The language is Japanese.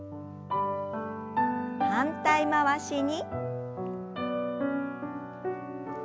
反対回しに。